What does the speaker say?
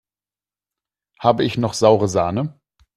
Habe ich noch saure Sahne?